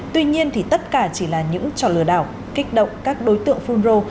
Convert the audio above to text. tuy nhiên thì tất cả chỉ là những trò lừa đảo kích động các đối tượng phunro